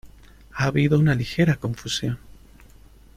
Ha habido una ligera confusión.